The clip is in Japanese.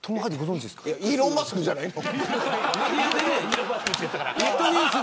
イーロン・マスクじゃないの。